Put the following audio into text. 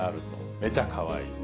めちゃかわいい。